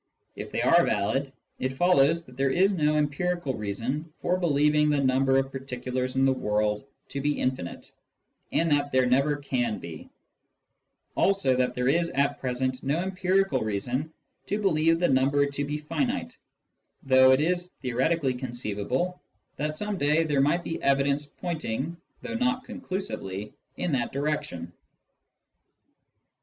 If they are valid, it follows that there is no empirical reason for believing the number of particulars in the world to be infinite, and that there never can be ; also that there is at present no empirical reason to believe the number to be "finite, though it is theoretically conceivable that some day there might be evidence pointing, though not conclusively, in that direction.